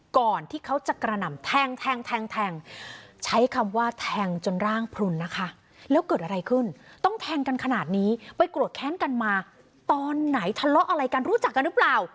ก่อนที่เขาจะกระหน่ำแทงแทงแทงใช้คำว่าแทงจนร่างพลุนนะคะแล้วเกิดอะไรขึ้นต้องแทงกันขนาดนี้ไปโกรธแค้นกันมาตอนไหนทะเลาะอะไรกันรู้จักกันหรือเปล่า